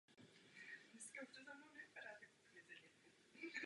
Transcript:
Její díla často zobrazují abstrakce ze světa přírody nebo mezilidských vztahů.